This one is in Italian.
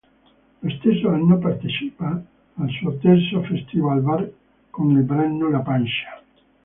Lo stesso anno partecipa al suo terzo Festivalbar con il brano La pancia.